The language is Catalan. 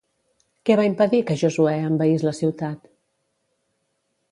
Què va impedir que Josuè envaís la ciutat?